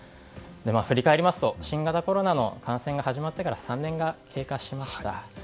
振り返りますと新型コロナの感染が始まってから３年が経過しました。